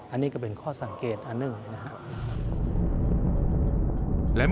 อันนี้ก็เป็นข้อสังเกตอันหนึ่งนะครับ